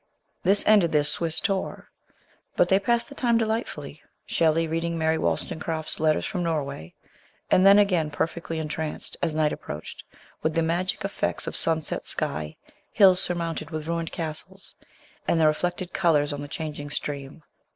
This ended their short Swiss tour ; but they passed the time delightfully, Shelley reading Mary Wollstone craft's letters from Norway, and then, again, perfectly entranced, as night approached, with the magic effects of sunset sky, hills surmounted with ruined castles, and the reflected colours on the changing stream.